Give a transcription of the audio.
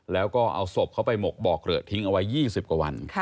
แล้วก็เอาศพเขาไปหมกบ่อเกลอะทิ้งเอาไว้๒๐กว่าวัน